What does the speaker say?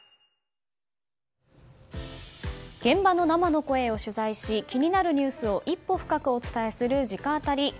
現場の生の声を取材し気になるニュースを一歩深くお伝えする直アタリ。